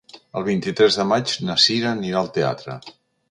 El vint-i-tres de maig na Cira anirà al teatre.